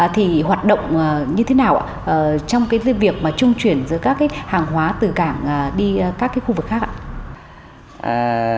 thì hoạt động như thế nào ạ trong việc trung chuyển giữa các hàng hóa từ cảng đi các khu vực khác ạ